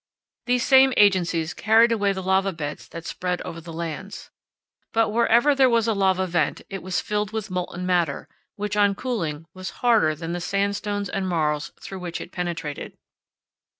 These same agencies carried away the lava beds that spread over the lands. But wherever there was a lava vent it was filled with molten matter, which on cooling was harder than the sandstones and marls through which it penetrated.